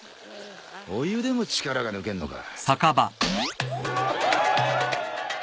お湯でも力が抜けんのか。